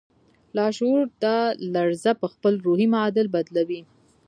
لاشعور دا لړزه پهخپل روحي معادل بدلوي